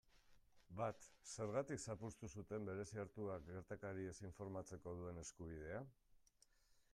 Bat, zergatik zapuztu zuten Bereziartuak gertakariez informatzeko duen eskubidea?